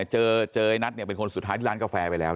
เจอไอ้นัทเป็นคนสุดท้ายที่ร้านกาแฟไปแล้ว